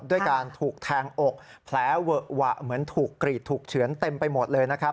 ด้วยการถูกแทงอกแผลเวอะหวะเหมือนถูกกรีดถูกเฉือนเต็มไปหมดเลยนะครับ